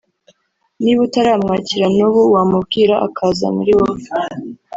Niba utaramwakira n’ubu wamubwira akaza muri wowe